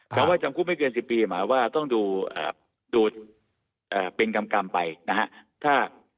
แต่ว่าจำคุกไม่เกิน๑๐ปีหมายว่าต้องดูเป็นกรรมไปนะฮะ